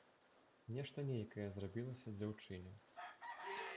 Нешта нейкае зрабілася дзяўчыне.